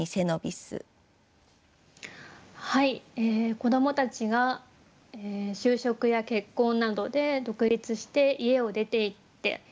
子どもたちが就職や結婚などで独立して家を出ていった。